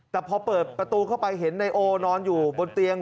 แต่พอเปิดประตูเข้าไปเห็นนายโอนอนอยู่บนเตียง